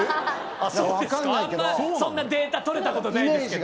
あんまりそんなデータとれたことがないですけど。